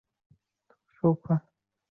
父亲一生从事教育工作。